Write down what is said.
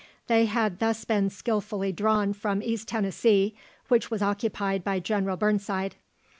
They had thus been skilfully drawn from East Tennessee, which was occupied by General Burnside.